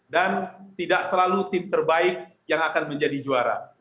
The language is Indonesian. dan tidak selalu tim terbaik yang akan menjadi juara